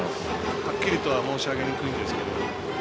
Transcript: はっきりとは申し上げにくいんですけど。